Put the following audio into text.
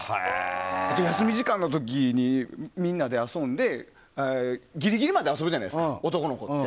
あと、休み時間の時にみんなで遊んでギリギリまで遊ぶじゃないですか男の子って。